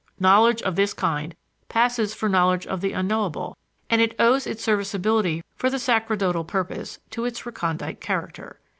Knowledge of this kind passes for knowledge of the "unknowable", and it owes its serviceability for the sacerdotal purpose to its recondite character.